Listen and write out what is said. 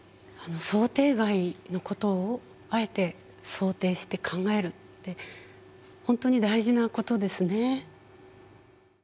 想定外のことをあえて想定して考えるって本当に大事なことですね。